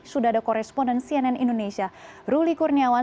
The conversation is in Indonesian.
sudah ada koresponden cnn indonesia ruli kurniawan